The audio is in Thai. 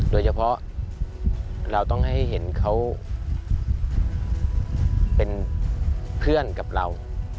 โดยเฉพาะเราต้องให้เห็นเขาเป็นเพื่อนกับเรา